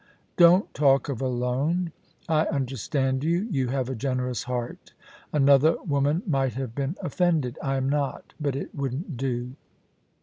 Don't talk of a loan. I understand you. You have a generous heart Another woman might have been offended. I am not— but it wouldn't do.